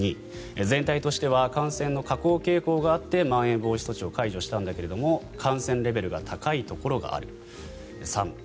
２、全体としては感染の下降傾向があってまん延防止措置を解除したんだけれど感染レベルが高いところがある。